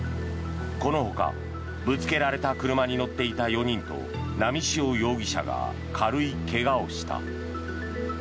このほか、ぶつけられた車に乗っていた４人と波汐容疑者が軽い怪我をした。